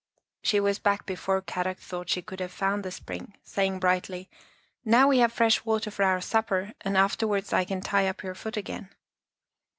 " She was back before Kadok thought she could have found the spring, saying brightly, " Now we have fresh water for our supper, afterwards I can tie up your foot again."